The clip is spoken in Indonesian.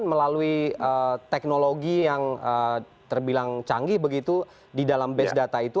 melalui teknologi yang terbilang canggih begitu di dalam base data itu